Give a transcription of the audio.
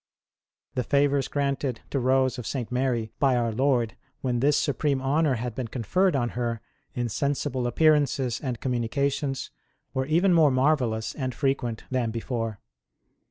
The favours granted to Rose of St. Mary by our Lord when this supreme honour had been conferred on her, in sensible appearances and communications, were even more marvellous and frequent than before.